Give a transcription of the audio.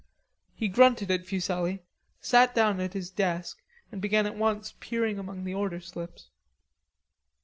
He grunted at Fuselli, sat down at the desk, and began at once peering among the order slips.